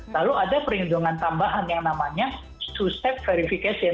lalu ada perlindungan tambahan yang namanya two safe verification